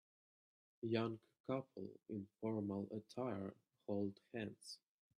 Young couple in formal attire hold hands